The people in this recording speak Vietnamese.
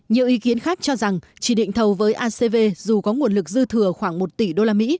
nhiều ý kiến khác cho rằng chỉ định thầu với acv dù có nguồn lực dư thừa khoảng một tỷ usd